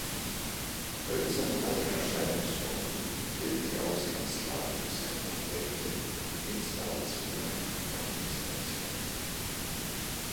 Hölzer in allen Erscheinungsformen bilden die Ausgangslage für seine Objekte, Installationen und Interventionen.